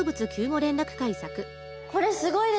これすごいですね。